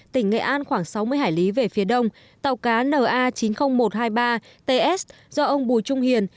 tỉnh nghệ an khoảng sáu mươi hải lý về phía đông tàu cá na chín mươi nghìn một trăm hai mươi ba ts do ông bùi trung hiền